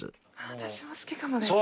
私も好きかもです。